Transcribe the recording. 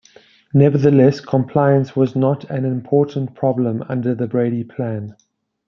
Nevertheless, compliance was not an important problem under the Brady Plan.